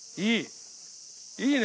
いい！